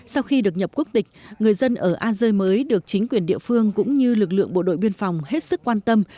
sau khi được nhập quốc tịch người dân ở a rơi mới được chính quyền địa phương cũng như lực lượng bộ đội biên phòng hết sức quan tâm